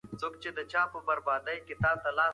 ماشومانو ته د تورو او سپینو رنګونو توپیر وښایئ.